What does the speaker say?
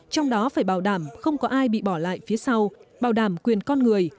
trong đó phải bảo đảm không có ai bị bỏ lại phía sau bảo đảm quyền con người